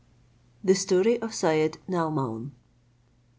The Story of Syed Naomaun.